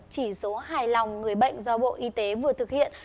chỉ số hài lòng người bệnh do bộ y tế vừa thực hiện